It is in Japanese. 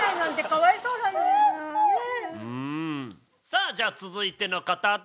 さあじゃあ続いての方どうぞ！